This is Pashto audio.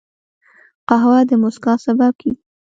قهوه د مسکا سبب کېږي